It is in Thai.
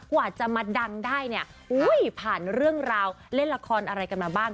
กว่าจะมาดังได้เนี่ยอุ้ยผ่านเรื่องราวเล่นละครอะไรกันมาบ้าง